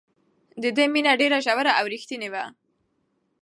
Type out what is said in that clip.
د ده مینه ډېره ژوره او رښتینې وه.